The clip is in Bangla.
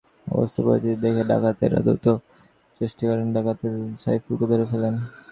অবস্থা বেগতিক দেখে ডাকাতেরা দ্রুত পালানোর চেষ্টাকালে গ্রামবাসী ডাকাত সাইফুলকে ধরে ফেলেন।